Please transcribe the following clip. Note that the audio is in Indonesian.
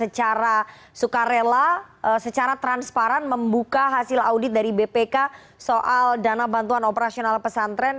secara sukarela secara transparan membuka hasil audit dari bpk soal dana bantuan operasional pesantren